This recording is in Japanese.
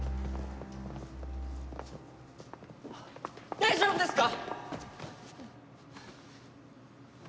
大丈夫ですか！？